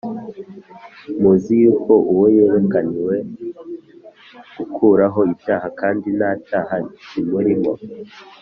Muzi yuko uwo yerekaniwe gukuraho ibyaha kandi nta cyaha kimurimo.